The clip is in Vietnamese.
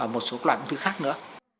một số loại ung thư khác nữa